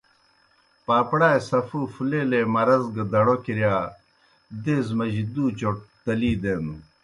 پاپڑائے سفوف لیلے مرض گہ دڑو کِرِیا دیزہ مجی دُوْ چوْٹ تلی دینَن۔